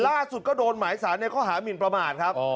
ล่าสุดก็โดนหมายสารในข้อหามินประมาทครับ